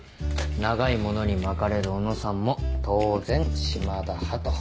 長いものに巻かれる小野さんも当然島田派と。